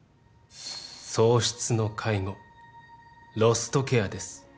喪失の介護ロストケアです